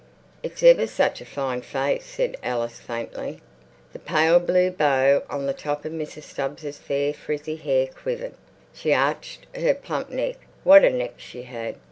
"It's ever such a fine face," said Alice faintly. The pale blue bow on the top of Mrs. Stubbs's fair frizzy hair quivered. She arched her plump neck. What a neck she had!